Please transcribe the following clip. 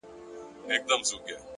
پوهه د ذهن افقونه پراخوي،